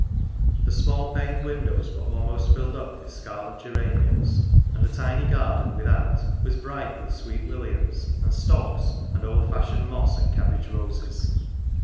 The small paned windows were almost filled up with scarlet geraniums, and the tiny garden without was bright with sweet williams and stocks and old fashioned moss and cabbage roses.